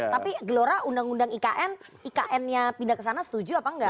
tapi gelora undang undang ikn iknnya pindah kesana setuju apa enggak